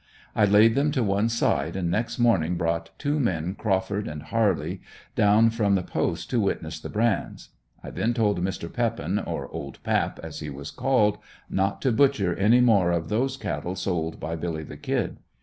I laid them to one side and next morning brought two men Crawford and Hurly, down from the Post to witness the brands. I then told Mr. Peppen, or "Old Pap" as he was called, not to butcher any more of those cattle sold by "Billy the Kid."